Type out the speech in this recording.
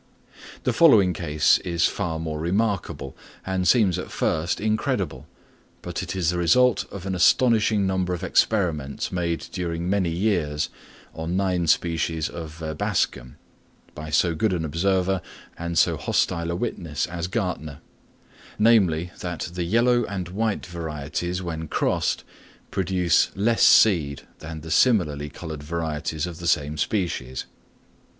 The following case is far more remarkable, and seems at first incredible; but it is the result of an astonishing number of experiments made during many years on nine species of Verbascum, by so good an observer and so hostile a witness as Gärtner: namely, that the yellow and white varieties when crossed produce less seed than the similarly coloured varieties of the same species.